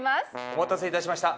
お待たせいたしました。